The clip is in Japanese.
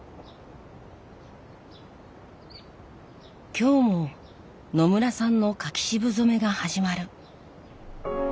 今日も野村さんの柿渋染めが始まる。